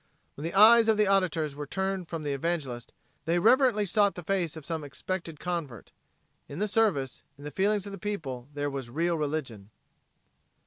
When the eyes of the auditors were turned from the evangelist they reverently sought the face of some expected convert. In the service, in the feelings of the people there was real religion.